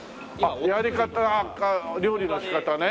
やり方料理の仕方ね。